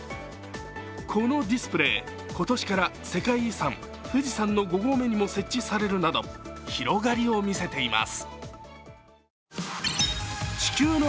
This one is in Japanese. このディスプレー、今年から世界遺産・富士山の５合目にも設置されるなど、広がりを見せています。